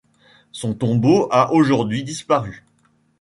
Son tombeau a aujourd'hui disparu.